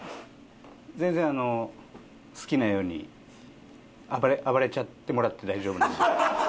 全然あの好きなように暴れ暴れちゃってもらって大丈夫なんで。